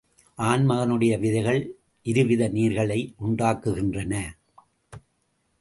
ஆண்மகனுடைய விதைகள் இருவித நீர்களை உண்டாக்குகின்றன.